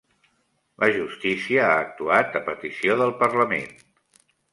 La justícia ha actuat a petició del parlament